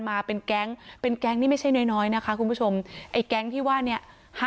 มาเป็นแก๊งเป็นแก๊งนี่ไม่ใช่น้อยน้อยนะคะคุณผู้ชมไอ้แก๊งที่ว่าเนี่ย